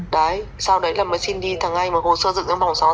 đấy sau đấy là mới xin đi thắng anh mà hồ sơ dựng trong vòng sáu tháng